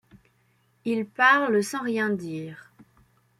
il parle sans rien dire